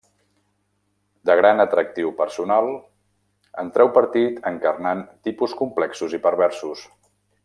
De gran atractiu personal, en treu partit encarnant tipus complexos i perversos.